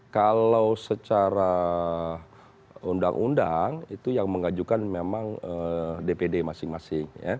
kalau secara undang undang itu yang mengajukan memang dpd masing masing